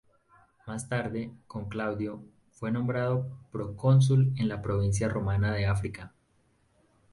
Más tarde, con Claudio, fue nombrado procónsul en la provincia romana de África.